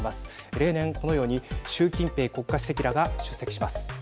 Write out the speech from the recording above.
例年、このように習近平国家主席らが出席します。